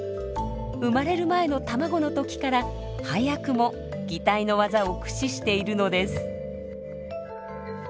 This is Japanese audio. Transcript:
生まれる前の卵の時から早くも擬態のワザを駆使しているのです。